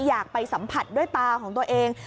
อยากไปสัมผัสด้วยตาของตัวเอง